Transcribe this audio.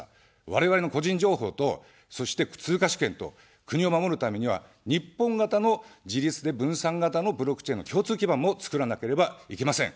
我々の個人情報と、そして通貨主権と、国を守るためには日本型の自立で分散型のブロックチェーンの共通基盤も作らなければいけません。